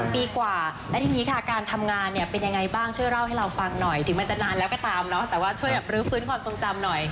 ปีกว่าและทีนี้ค่ะการทำงานเนี่ยเป็นยังไงบ้างช่วยเล่าให้เราฟังหน่อยถึงมันจะนานแล้วก็ตามเนาะแต่ว่าช่วยแบบรื้อฟื้นความทรงจำหน่อย